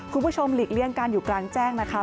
หลีกเลี่ยงการอยู่กลางแจ้งนะคะ